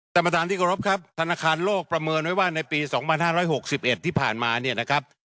สำประตานที่เค้ารบครับธนคารโลกประเมินไว้ว่าในปีสองพันห้าร้ายหกสิบเอ็ดที่ผ่านมาเนี่ยนะครับ